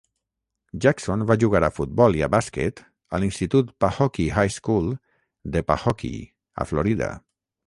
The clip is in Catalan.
Jackson va jugar a futbol i a bàsquet a l'institut Pahokee High School de Pahokee, a Florida.